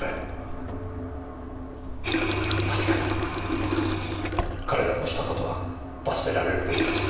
確かに彼らのした事は罰せられるべきです。